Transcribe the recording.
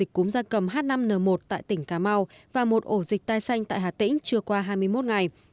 cúm da cầm h năm n một tại tỉnh cà mau và một ổ dịch tai xanh tại hà tĩnh chưa qua hai mươi một ngày